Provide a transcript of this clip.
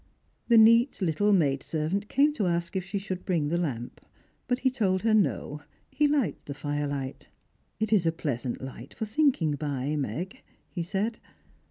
Tlie neat little maid servant came to ask if she should bring the lamp ; but he told her no, he liked the firelight. "It is a pleasant light for thinking by, Meg," he said.